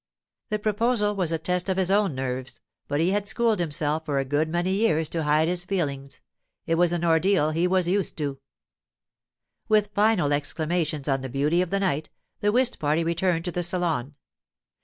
The proposal was a test of his own nerves, but he had schooled himself for a good many years to hide his feelings; it was an ordeal he was used to. With final exclamations on the beauty of the night, the whist party returned to the salon.